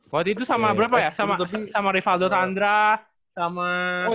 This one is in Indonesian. waktu itu sama berapa ya sama rivaldo tandra sama